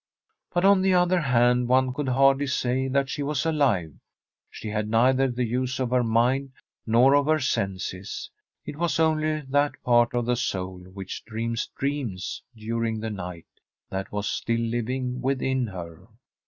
But, on the other hand, one could hardly say that she was alive. She had neither the use of her mind .nor of her senses. It was only that part of the soul which dreams dreams during the night that was still living within her.